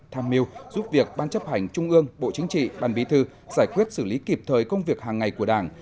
tham mưu giúp việc ban chấp hành trung ương bộ chính trị ban bí thư giải quyết xử lý kịp thời công việc hàng ngày của đảng